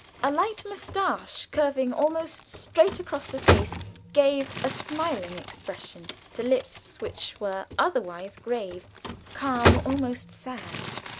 A light mustache, curving almost straight across the face, gave a smiling expression to lips which were otherwise grave, calm, almost sad.